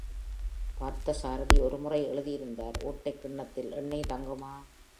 பார்த்த சாரதி ஒருமுறை எழுதியிருந்தார் ஓட்டைக் கிண்ணத்தில் எண்ணெய் தங்குமா?